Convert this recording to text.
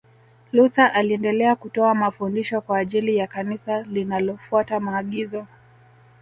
Luther aliendelea kutoa mafundisho kwa ajili ya Kanisa linalofuata maagizo